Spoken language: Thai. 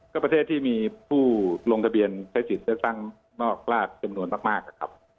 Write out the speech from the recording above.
ก็ประเทศที่มีผู้ลงทะเบียนใช้สิทธิ์เลือกตั้งนอกราชจำนวนมากนะครับ